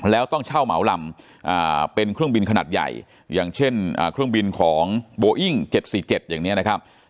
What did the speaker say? แล้วต้องเช่าเหมาลำเป็นเครื่องบินขนาดใหญ่อย่างเช่นเครื่องบินของโบอิ้ง๗๔๗อย่างนี้นะครับ